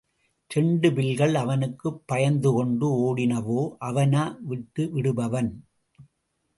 இரண்டு பில்கள் அவனுக்குப் பயந்துகொண்டு ஓடினவோ? அவனா விட்டுவிடுபவன்?